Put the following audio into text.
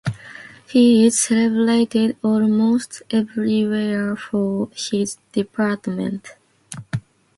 He is celebrated almost everywhere for his deportment.